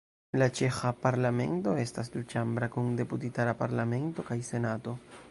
La ĉeĥa Parlamento estas duĉambra, kun Deputitara Parlamento kaj Senato.